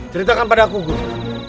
ceritakan pada aku guru